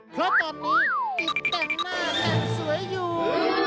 เพราะตอนนี้กิ๊กแต่งหน้าง่ายสวยอยู่